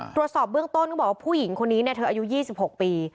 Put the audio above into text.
ตรวจสอบเบื้องต้นก็บอกว่าผู้หญิงคนนี้เธออายุ๒๖ปี